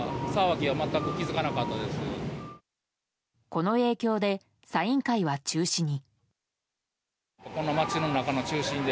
この影響でサイン会は中止に。